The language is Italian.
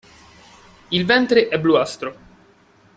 Il ventre è bluastro.